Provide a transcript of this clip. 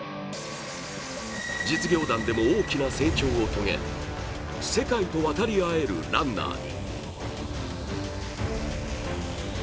実業団でも大きな成長を遂げ、世界と渡り合えるランナーに。